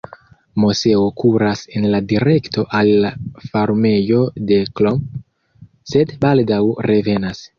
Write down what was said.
Moseo kuras en la direkto al la farmejo de Klomp, sed baldaŭ revenas.